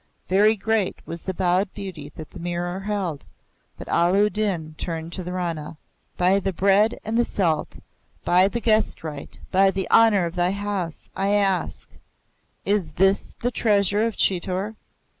Very great was the bowed beauty that the mirror held, but Allah u Din turned to the Rana. "By the Bread and the Salt, by the Guest Right, by the Honour of thy House, I ask is this the Treasure of Chitor?"